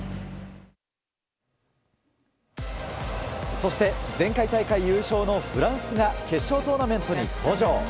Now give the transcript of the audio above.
そして前回大会優勝のフランスが決勝トーナメントに登場。